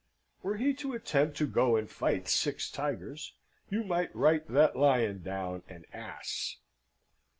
Were he to attempt to go and fight six tigers, you might write that Lion down an Ass.